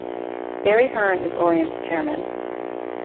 Barry Hearn is Orient's Chairman.